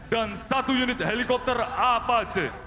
dan satu unit helikopter apac